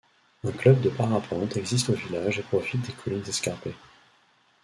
Un club de parapente existe au village et profite des collines escarpées.